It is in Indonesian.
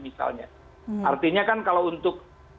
misalnya artinya kan kalau untuk